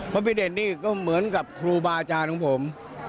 พระพิเดชนี่ก็เหมือนกับครูบาอาจารย์ของผม